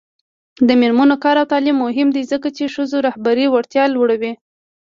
د میرمنو کار او تعلیم مهم دی ځکه چې ښځو رهبري وړتیا لوړوي